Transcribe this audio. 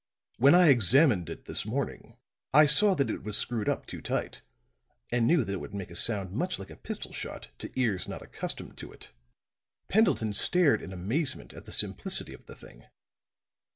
"When I examined it this morning I saw that it was screwed up too tight, and knew that it would make a sound much like a pistol shot to ears not accustomed to it." Pendleton stared in amazement at the simplicity of the thing.